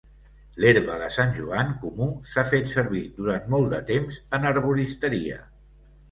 L'herba de Sant Joan comú s'ha fet servir durant molt de temps en herboristeria.